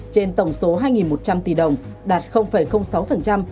trên tổng số hai một trăm linh tỷ đồng đạt sáu